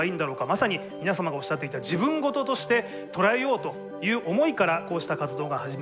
まさに皆様がおっしゃっていた自分事として捉えようという思いからこうした活動が始まりました。